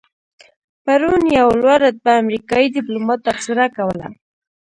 پرون یو لوړ رتبه امریکایي دیپلومات تبصره کوله.